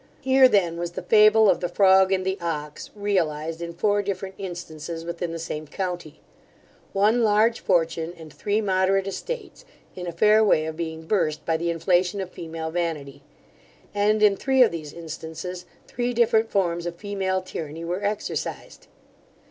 Here then was the fable of the frog and the ox, realized in four different instances within the same county: one large fortune, and three moderate estates, in a fair way of being burst by the inflation of female vanity; and in three of these instances, three different forms of female tyranny were exercised.